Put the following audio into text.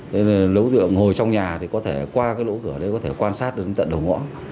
nếu ngồi trong nhà thì có thể qua lỗ cửa đấy có thể quan sát đến tận đầu ngõ